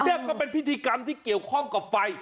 นี่ก็เป็นพิธีกรรมที่เกี่ยวข้องกับไฟ